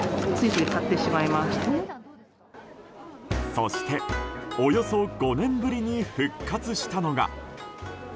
そして、およそ５年ぶりに復活したのが。